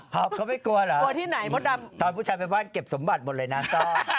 หอบเขาไม่กลัวเหรอตอนผู้ชายไปบ้านเก็บสมบัติหมดเลยน้ำซ่อม